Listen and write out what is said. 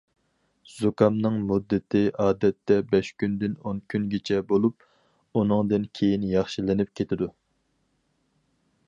زۇكامنىڭ مۇددىتى ئادەتتە بەش كۈندىن ئون كۈنگىچە بولۇپ، ئۇنىڭدىن كېيىن ياخشىلىنىپ كېتىدۇ.